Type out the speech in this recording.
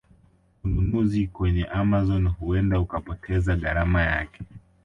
Ununuzi kwenye Amazon huenda ukapoteza gharama yake